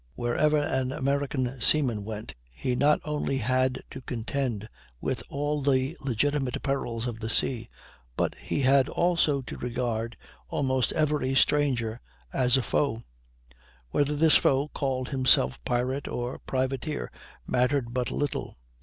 Wherever an American seaman went, he not only had to contend with all the legitimate perils of the sea, but he had also to regard almost every stranger as a foe. Whether this foe called himself pirate or privateer mattered but little.